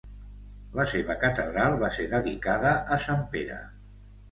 La seva catedral va ser dedicada a Sant Pere.